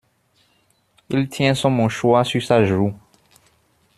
Il tient son mouchoir sur sa joue.